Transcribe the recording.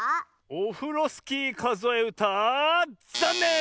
「オフロスキーかぞえうた」ざんねん！